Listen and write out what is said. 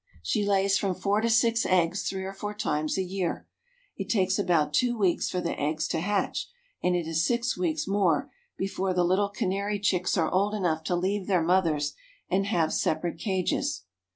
She lays from four to six eggs three or four times a year. It takes about two weeks for the eggs to hatch, and it is six weeks more before the little canary chicks are old enough to leave their mothers and have separate cages.